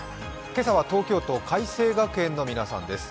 今朝は東京都開成学園の皆さんです。